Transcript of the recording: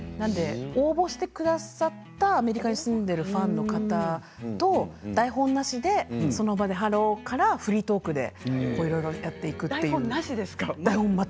応募してくださったアメリカに住んでいるファンの方と台本なしでその場でハローからフリートークでやっていくと。